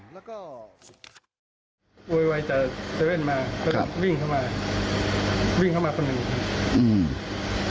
แล้วก็อวยวายจะเซเว่นมาครับวิ่งเข้ามาวิ่งเข้ามาตรงนี้ครับอืม